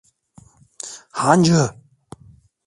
Hancı!